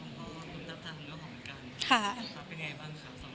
สำหรับเรา